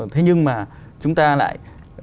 thế nhưng mà chúng ta lại